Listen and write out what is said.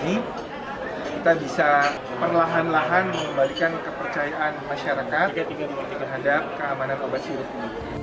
kita bisa perlahan lahan mengembalikan kepercayaan masyarakat terhadap keamanan obat sirup ini